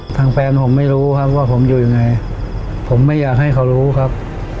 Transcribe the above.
แฟนผมไม่รู้ครับว่าผมอยู่ยังไงผมไม่อยากให้เขารู้ครับ